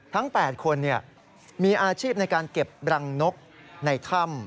ทั้ง๘คนมีอาชีพในการเก็บรังนกในถ้ำ